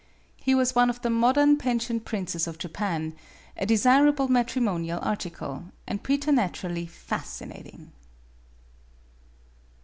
He was one of the modern pen sioned princes of Japan, a desirable matrimo nial article, and preternaturally fascinating.